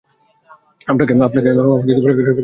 আমাকে আপনি করে বললে খুব খারাপ লাগবে।